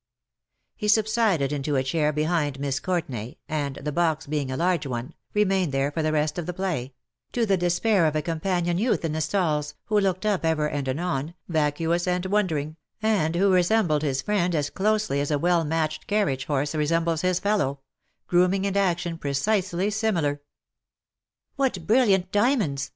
He subsided into a chair behind Miss Courtenay, and, the box being a large one, remained there for the rest of the play — to the despair* of a companion youth in the stalls, who looked up ever and anon, vacuous and w^ondering, and who resembled his friend as closely as a well matched carriage horse resembles his fellow — grooming and action precisely similar. CUPID AND PSYCHE. 223 ^^What brilliant diamonds